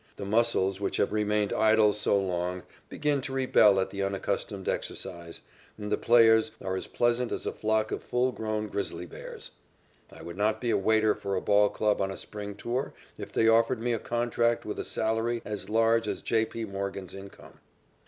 The muscles which have remained idle so long begin to rebel at the unaccustomed exercise, and the players are as pleasant as a flock of full grown grizzly bears. I would not be a waiter for a ball club on a spring tour if they offered me a contract with a salary as large as J. P. Morgan's income.